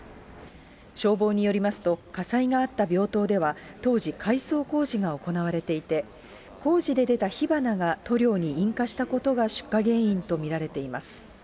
消防によりますと、火災があった病棟では当時、改装工事が行われていて、工事で出た火花が塗料に引火したことが出火原因と見られています。